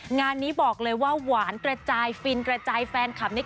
งานนี้บอกเลยว่าหวานกระจายฟินกระจายแฟนคลับเนี่ย